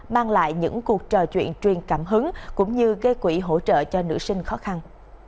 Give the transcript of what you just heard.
mang lại những cuộc trò chuyện truyền cảm hứng cũng như gây quỹ hỗ trợ cho nữ sinh khó khăn